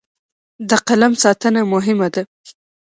د قلم ساتنه مهمه ده.